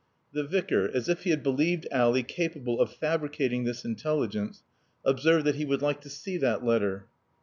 The Vicar, as if he had believed Ally capable of fabricating this intelligence, observed that he would like to see that letter.